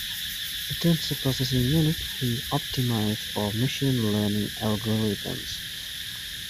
A Tensor Processing Unit is optimized for machine learning algorithms.